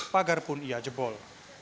pagar pun ia jebol